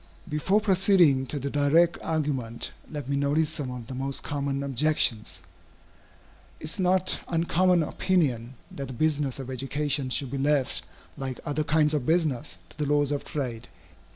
Before proceeding to the direct argument, let me notice some of the most common objections. It is a not uncommon opinion, that the business of education should be left, like other kinds of business, to the laws of trade.